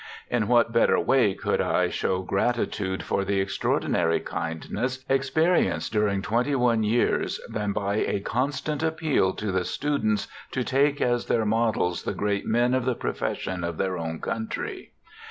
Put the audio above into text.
In what better way could I show gratitude for the extraordinar}^ kindness experienced during twenty one years than by a constant appeal to the students to take as their models the great men of the profession of their own country?